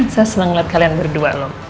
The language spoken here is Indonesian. saya senang lihat kalian berdua loh